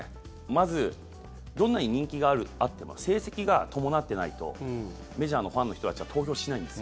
まずどんなに人気があっても成績が伴ってないとメジャーのファンの人たちは投票しないんです。